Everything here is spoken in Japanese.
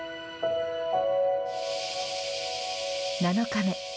７日目。